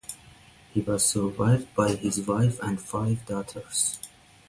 He was survived by his wife and five daughters.